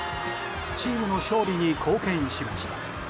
チームの勝利に貢献しました。